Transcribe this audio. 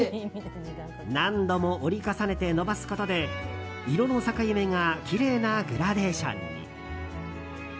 何度も折り重ねて延ばすことで色の境目がきれいなグラデーションに。